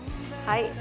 はい。